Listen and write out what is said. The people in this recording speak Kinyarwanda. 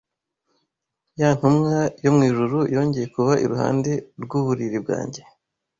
ya ntumwa yo mu ijuru yongeye kuba iruhande rw’uburiri bwanjye